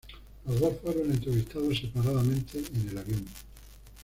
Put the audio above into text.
Los dos fueron entrevistados separadamente en el avión.